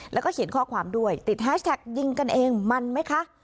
แล้วก็เขียนข้อความด้วยติดแฮชแท็กยิงกันเองมันไหมคะ